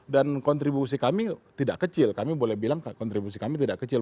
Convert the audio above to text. dan kontribusi kami tidak kecil kami boleh bilang kontribusi kami tidak kecil